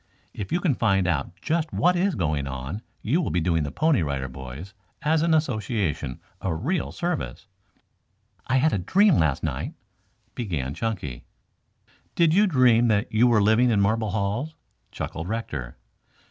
"If you can find out just what is going on you will be doing the Pony Rider Boys, as an association, a real service." "I had a dream last night," began Chunky. "Did you dream that you were living in marble halls?" chuckled Rector.